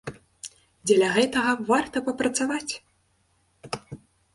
Дзеля гэтага варта папрацаваць!